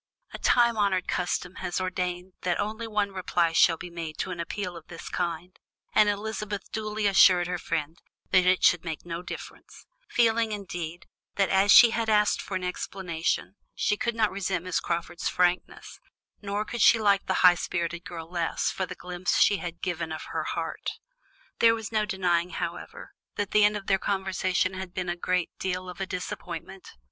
A time honoured custom has ordained that only one reply shall be made to an appeal of this kind, and Elizabeth duly assured her friend that it should make no difference; feeling, indeed, that as she had asked for an explanation, she could not resent Miss Crawford's frankness, nor could she like the high spirited girl less for the glimpse she had given of her heart. There was no denying, however, that the end of their conversation had been a good deal of a disappointment.